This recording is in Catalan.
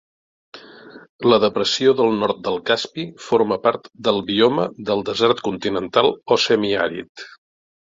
La depressió del nord del Caspi forma part del bioma del desert continental o semiàrid.